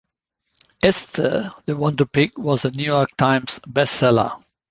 Esther The wonder Pig was a New York Times Best Seller.